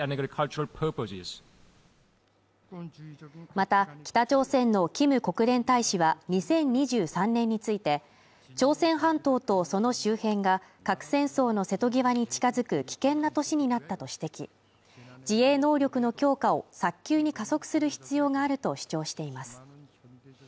また北朝鮮のキム国連大使は２０２３年について朝鮮半島とその周辺が核戦争の瀬戸際に近づく危険な年になったと指摘自衛能力の強化を早急に加速する必要があると主張しています